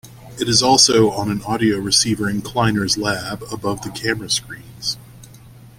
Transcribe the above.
It is also on an audio receiver in Kleiner's lab, above the camera screens.